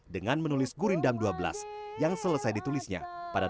dengan menulis gurindam dua belas yang selesai ditulisnya pada seribu delapan ratus empat puluh enam